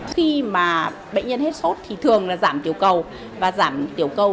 khi mà bệnh nhân hết sốt thì thường là giảm tiểu cầu